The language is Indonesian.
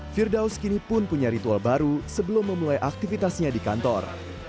firdaus kini pun punya ritual baru sebelum memulai aktivitasnya di kantor